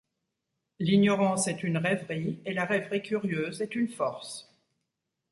L’ignorance est une rêverie, et la rêverie curieuse est une force.